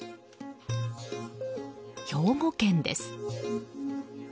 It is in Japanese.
兵庫県です。